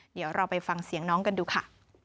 เดี๋ยวเราไปฟังเสียงน้องกันดูค่ะ